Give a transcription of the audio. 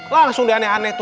langsung deh aneh aneh tuh